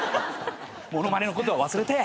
物まねのことは忘れて。